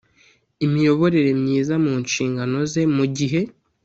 imiyoborere myiza mu nshingano ze mu gihe